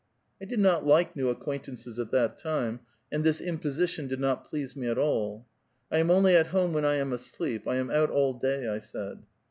I did not like new acquaintances at that time, and this imposition did not please me at all. ''I am only at home when I am asleep; I am out all day," I said.